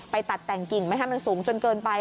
ไปตัดแต่งกิ่งไม่ให้มันสูงจนเกินไป